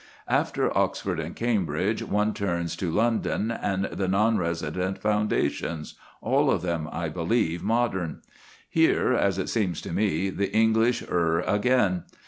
After Oxford and Cambridge, one turns to London and the non resident foundations, all of them, I believe, modern. Here, as it seems to me, the English err again.